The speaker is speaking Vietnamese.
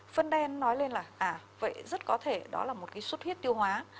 phân đen nói lên là à vậy rất có thể đó là một cái suất huyết tiêu hóa